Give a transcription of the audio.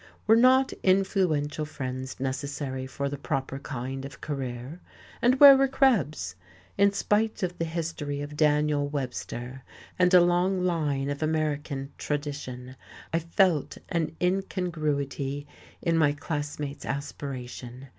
Were not influential friends necessary for the proper kind of career? and where were Krebs's? In spite of the history of Daniel Webster and a long line of American tradition, I felt an incongruity in my classmate's aspiration.